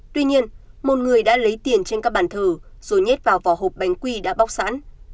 tuy nhiên một người đã lấy tiền trên các bàn thờ rồi nhét vào vỏ hộp bánh quy đã bóc sẵn